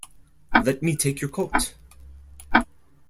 Let me take your coat.